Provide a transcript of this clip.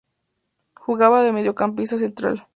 Jugaba de mediocampista central.